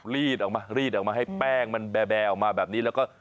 รีดออกมารีดออกมาให้แป้งมันแบร์ออกมาแบบนี้แล้วก็